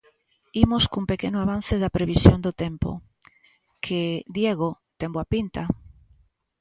Imos cun pequeno avance da previsión do tempo, que Diego, ten boa pinta...